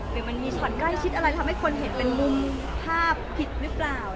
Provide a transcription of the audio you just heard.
หรือมันมีช็อตใกล้ชิดอะไรทำให้คนเห็นเป็นมุมภาพผิดหรือเปล่า